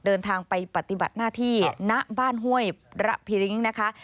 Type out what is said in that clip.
เดินทางไปปฏิบัติหน้าที่ณบ้านห้วยระพิริ้งนะคะ